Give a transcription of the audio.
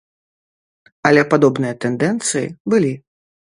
Але падобныя тэндэнцыі былі.